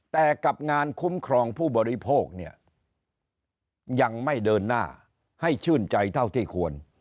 แต่กับงานคุ้มครองผู้บริโภคเนี่ยยังไม่เดินหน้าให้ชื่นใจเท่าที่ควร